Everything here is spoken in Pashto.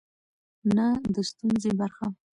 نه د ستونزې برخه.